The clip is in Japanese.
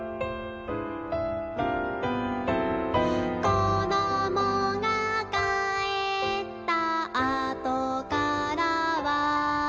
「こどもがかえったあとからは」